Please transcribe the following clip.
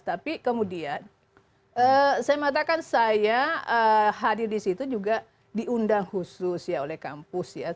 tapi kemudian saya mengatakan saya hadir di situ juga diundang khusus ya oleh kampus ya